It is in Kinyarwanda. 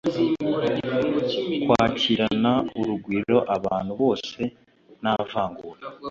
kwakirana urugwiro abantu bose nta vangura